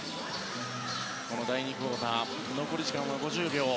この第２クオーター残り時間は５０秒。